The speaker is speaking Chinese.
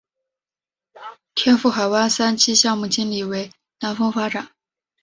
天赋海湾三期项目经理为南丰发展。